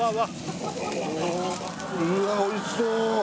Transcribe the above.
うわおいしそう！